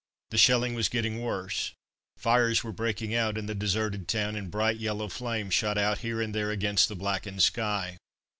The shelling was getting worse, fires were breaking out in the deserted town, and bright yellow flames shot out here and there against the blackened sky.